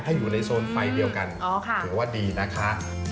ถ้าอยู่ในโซนไฟล์เดียวกันถือว่าดีนะคะ